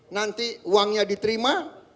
nanti uangnya diterima